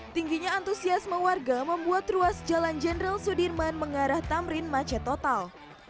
dua ribu dua puluh tiga tingginya antusiasme warga membuat ruas jalan jenderal sudirman mengarah tamrin macet total